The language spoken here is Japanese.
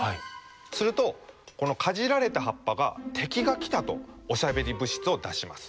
するとこのかじられた葉っぱが「敵が来た！」とおしゃべり物質を出します。